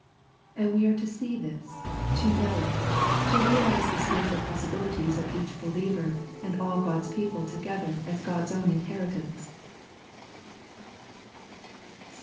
And we are to see this, to know it, to reaHse the spiritual possibilities of each believer and all God's people together as God's own inheritance.